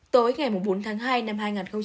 tối ngày bốn tháng hai năm hai nghìn một mươi chín